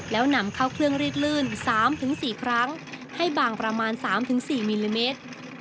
แล้วนำเข้าเครื่องรีดลื่นสามถึงสี่ครั้งให้บางประมาณสามถึงสี่มิลลิเมตร